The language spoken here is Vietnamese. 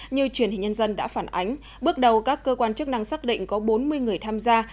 như truyền hình nhân dân đã phản ánh bước đầu các cơ quan chức năng xác định có bốn mươi người tham gia